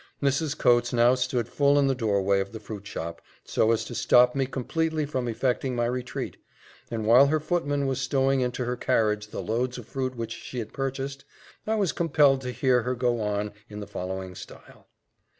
Mrs. Coates now stood full in the doorway of the fruit shop, so as to stop me completely from effecting my retreat; and while her footman was stowing into her carriage the loads of fruit which she had purchased, I was compelled to hear her go on in the following style.